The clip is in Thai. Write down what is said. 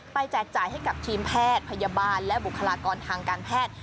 แจกจ่ายให้กับทีมแพทย์พยาบาลและบุคลากรทางการแพทย์